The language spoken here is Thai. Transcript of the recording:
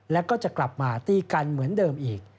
แล้วก็จะกลับมาตีกันเหมือนเดิมอีก